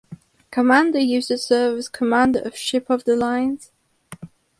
Commander used to serve as commander of ship of the lines.